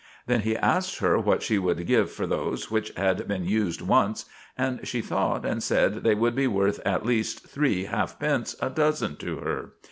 Then he asked her what she would give for those which had been used once, and she thought, and said they would be worth at least three halfpence a dozen to her.